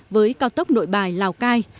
với cao tốc nội bài lào cai